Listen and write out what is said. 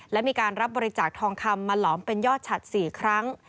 และมีการรับบริจาคทองคำมาหลอมเป็นยอดฉัด๔ครั้ง